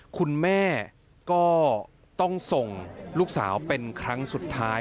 คุณแม่ก็ต้องส่งลูกสาวเป็นครั้งสุดท้าย